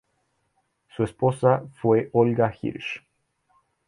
Su esposa fue Olga Hirsh.